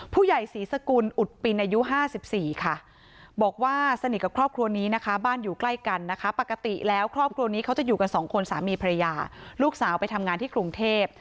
ผู้ใหญ่ศรีสกุลอุดปินอายุ๕๔ค่ะบอกว่าสนิทกับครอบครัวนี้นะคะบ้านอยู่ใกล้กันนะคะปกติแล้วครอบครัวนี้เขาจะอยู่กันสองคนสามีภรรยาลูกสาวไปทำงานที่กรุงเทพ